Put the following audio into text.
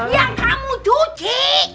yang kamu cuci